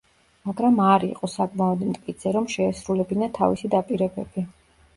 მაგრამ არ იყო საკმაოდ მტკიცე, რომ შეესრულებინა თავისი დაპირებები.